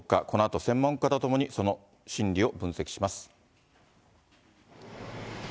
このあと専門家と共に、その心理を分析します。